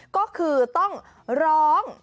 ก็คือต้องร้อง